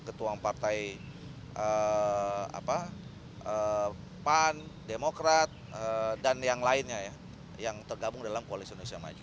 ketua partai pan demokrat dan yang lainnya ya yang tergabung dalam koalisi indonesia maju